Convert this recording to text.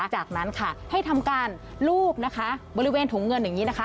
จากนั้นค่ะให้ทำการลูบนะคะบริเวณถุงเงินอย่างนี้นะคะ